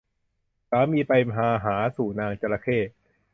สามีไปมาหาสู่นางจระเข้